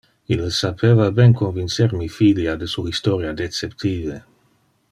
Ille sapeva ben convincer mi filia de su historia deceptive.